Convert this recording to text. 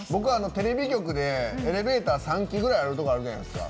テレビ局でエレベーター３基ぐらいあるところあるじゃないですか。